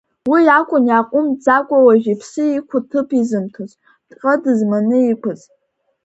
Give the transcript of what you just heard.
Уи иакәын иааҟәымҵӡакәа уажә иԥсны иқәу ҭыԥ изымҭоз, дҟьо дызманы иқәыз.